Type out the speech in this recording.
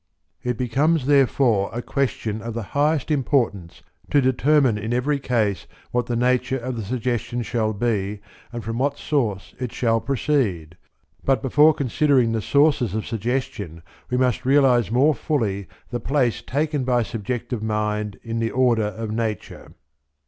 It becomes therefore a question of the highest importance to determine in every case what the nature of the suggestion shall be and from what source it shall proceed; but before considering the sources of suggestion we must realize more fully the place taken by subjective mind in the order of Nature.